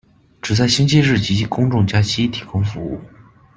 只在星期日及公众假期提供服务。